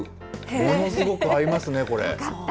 ものすごく合いますね、これ。よかった。